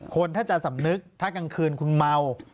คนถ้าจะสำนึกถ้ากลางคืนคุณเมา